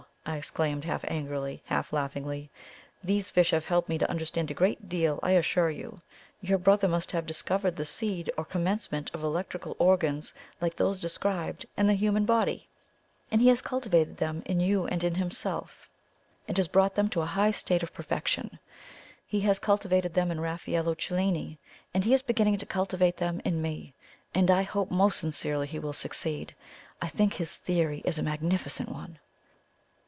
I exclaimed half angrily, half laughingly. "These fish have helped me to understand a great deal, I assure you. Your brother must have discovered the seed or commencement of electrical organs like those described, in the human body; and he has cultivated them in you and in himself, and has brought them to a high state of perfection. He has cultivated them in Raffaello Cellini, and he is beginning to cultivate them in me, and I hope most sincerely he will succeed. I think his theory is a magnificent one!"